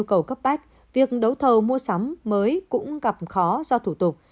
các bệnh viện mới cũng gặp khó do thủ tục